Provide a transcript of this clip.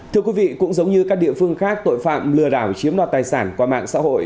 thưa quý vị cũng giống như các địa phương khác tội phạm lừa đảo chiếm đoạt tài sản qua mạng xã hội